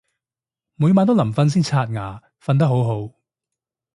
每晚都臨瞓先刷牙，瞓得好好